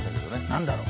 何だろう。